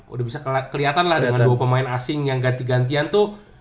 udah bisa kelihatan lah dengan dua pemain asing yang ganti gantian tuh